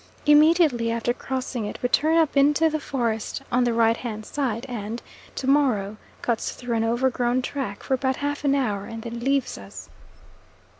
Immediately after crossing it we turn up into the forest on the right hand side, and "To morrow" cuts through an over grown track for about half an hour, and then leaves us.